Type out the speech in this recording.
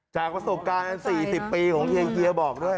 จากประสบการณ์๔๐ปีของเฮียบอกด้วย